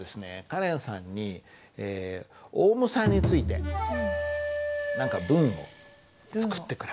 カレンさんにオウムさんについて何か文を作ってくれますか。